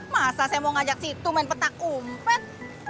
masa saya mau ngajak situ main petak umpet